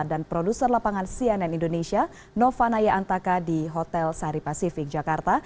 dan produser lapangan cnn indonesia novanaya antaka di hotel sahari pasifik jakarta